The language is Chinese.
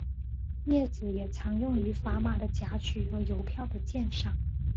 镊子也常用于砝码的夹取和邮票的鉴赏。